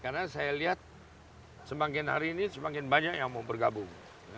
karena saya lihat semakin hari ini semakin banyak yang mau bergabung